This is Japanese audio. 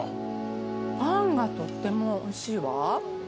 パンがとってもおいしいわ。